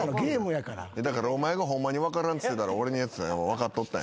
だからお前がホンマに分からんっつってたら俺分かっとったんや。